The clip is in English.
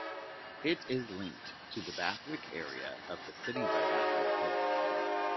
It is linked to the Bathwick area of the city by Bathwick Hill.